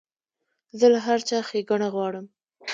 زه له هر چا ښېګڼه غواړم.